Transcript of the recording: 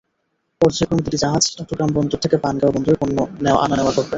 পর্যায়ক্রমে দুটি জাহাজ চট্টগ্রাম বন্দর থেকে পানগাঁও বন্দরে পণ্য আনা-নেওয়া করবে।